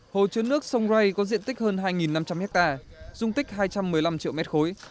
hồ chứa nước sông rai có diện tích hơn hai năm trăm linh hectare dung tích hai trăm một mươi năm triệu mét khối